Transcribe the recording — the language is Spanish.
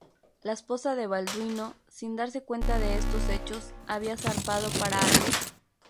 La esposa de Balduino, sin darse cuenta de estos hechos, había zarpado para Acre.